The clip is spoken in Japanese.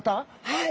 はい。